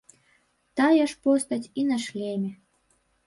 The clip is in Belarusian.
Тая ж постаць і на шлеме.